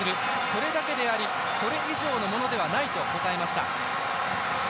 それだけでありそれ以上のものではないと答えました。